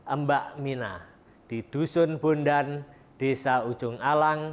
mbak mina di dusun bondan desa ujung alang